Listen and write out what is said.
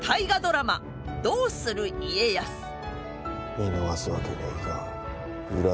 見逃すわけにはいかん。